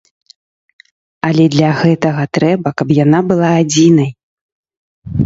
Але для гэтага трэба, каб яна была адзінай.